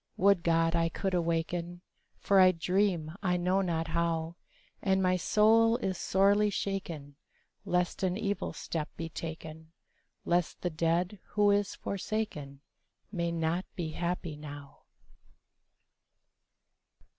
Would to God I could awaken! For I dream I know not how, And my soul is sorely shaken Lest an evil step be taken,— Lest the dead who is forsaken May not be happy now.